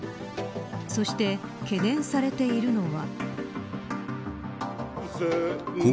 そして、懸念されているのは。